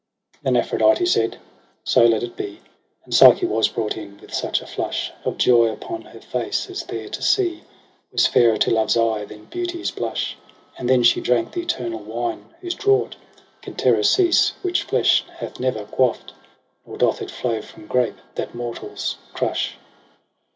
Then Aphrodite said ' So let it be.' And Psyche was brought in, with such a flush Of joy upon her face, as there to see Was fairer to love's eye than beauty's blush. And then she drank the eternal wine, whose draught Can Terror cease : which flesh hath never quafft. Nor doth it flow from grape that mortals crush.